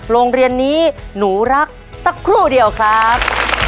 โรงเรียนนี้หนูรักสักครู่เดียวครับ